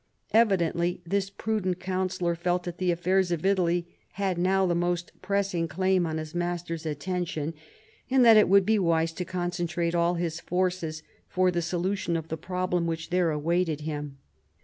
Evidently this prudent counsellor felt that the affairs of Italy had now the most pressing claim on his master's attention, and that it would be wise to concentrate all his forces for the solution of the problem which there awaited him.